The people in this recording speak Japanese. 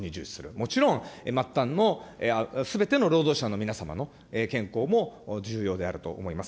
もちろん末端のすべての労働者の皆様の健康も重要であると思います。